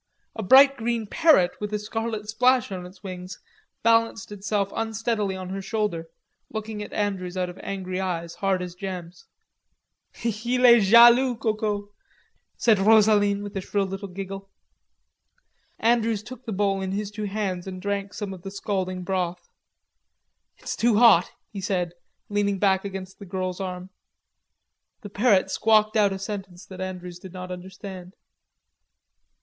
A bright green parrot with a scarlet splash in its wings, balanced itself unsteadily on her shoulder, looking at Andrews out of angry eyes, hard as gems. "Il est jaloux, Coco," said Rosaline, with a shrill little giggle. Andrews took the bowl in his two hands and drank some of the scalding broth. "It's too hot," he said, leaning back against the girl's arm. The parrot squawked out a sentence that Andrews did not understand.